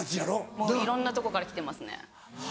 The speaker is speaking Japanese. もういろんなとこから来てますね。